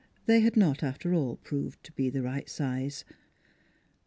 They had not, after all, proved to be the right size.